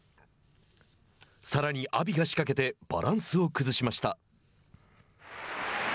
さらに阿炎が仕掛けてバランスを崩しました。